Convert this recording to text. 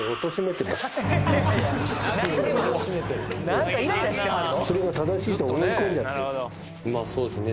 なんかイライラしてはんの？